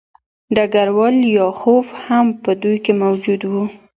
ډګروال لیاخوف هم په دوی کې موجود و